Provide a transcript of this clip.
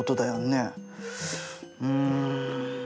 うん。